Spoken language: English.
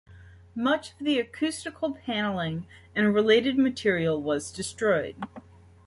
Much of the acoustical paneling and related material was destroyed.